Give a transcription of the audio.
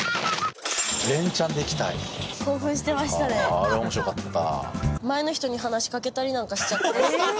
あれ面白かった。